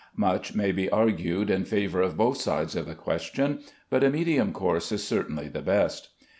Much may be argued in favor of both sides of the question, but a medium course is certainly the best.